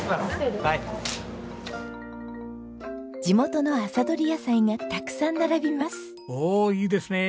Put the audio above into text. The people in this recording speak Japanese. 地元の朝採り野菜がたくさん並びます。